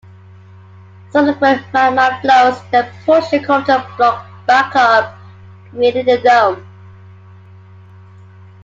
Subsequent magma flows then push the cauldron block back up creating the dome.